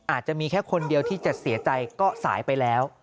อาจจะมีแค่คนเดียวที่จะเสียใจก็สายไปแล้ว